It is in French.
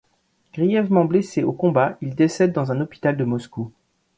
Grièvement blessé au combat, il décède dans un hôpital de Moscou.